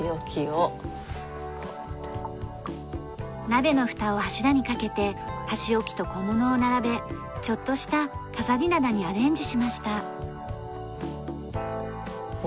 鍋のフタを柱に掛けて箸置きと小物を並べちょっとした飾り棚にアレンジしました。